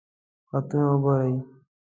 خطونه ګوری؟